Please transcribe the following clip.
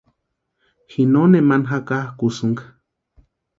Ji no nemani jakakʼukusïnka.